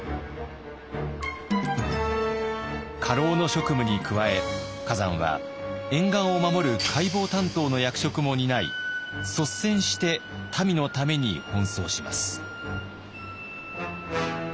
家老の職務に加え崋山は沿岸を守る海防担当の役職も担い率先して民のために奔走します。